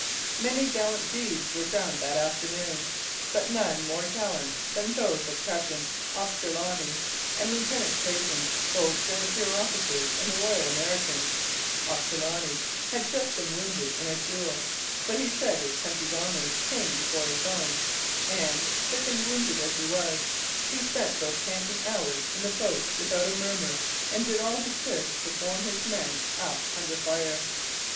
Many gallant deeds were done that afternoon; but none more gallant than those of Captain Ochterloney and Lieutenant Peyton, both grenadier officers in the Royal Americans. Ochterloney had just been wounded in a duel; but he said his country's honour came before his own, and, sick and wounded as he was, he spent those panting hours in the boats without a murmur and did all he could to form his men up under fire.